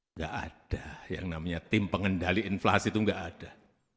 enggak ada yang namanya tim pengendali inflasi itu enggak ada